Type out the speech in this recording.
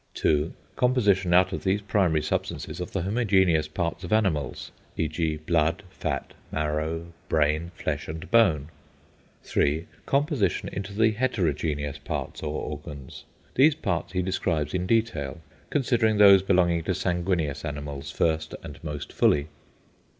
(2) Composition out of these primary substances of the homogeneous parts of animals, e.g. blood, fat, marrow, brain, flesh, and bone. (3) Composition into the heterogeneous parts or organs. These parts he describes in detail, considering those belonging to sanguineous animals first and most fully.